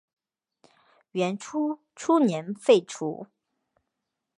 元朝初年废除。